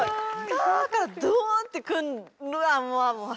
ターからドーンってくるうわもう。